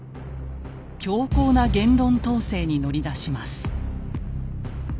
強硬な言論統制に乗り出します。